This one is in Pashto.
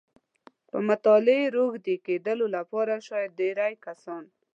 په مطالعې د روږدي کېدو لپاره شاید ډېری کسان